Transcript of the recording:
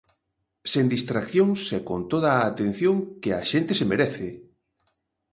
Sen distraccións e con toda a atención que a xente se merece.